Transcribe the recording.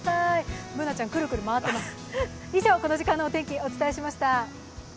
Ｂｏｏｎａちゃん、クルクル回っています。